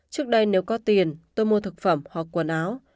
trước đây nếu có tiền tôi mua thực phẩm hoặc quần áo